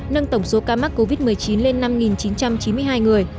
nâng tổng số ca mắc covid một mươi chín lên năm chín trăm chín mươi hai người